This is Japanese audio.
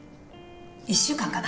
１週間かな。